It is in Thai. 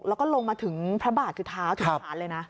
แล้วก็ลงมาถึงพระบาทคือเท้าถึงฐานเลยนะ